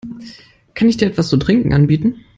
Kann ich dir etwas zu trinken anbieten?